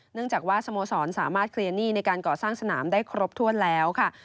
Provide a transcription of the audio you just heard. เนื่องจากว่าสโมสรสามารถเคลียร์หนี้ในการก่อสร้างสนามได้ครบถ้วนแล้วค่ะ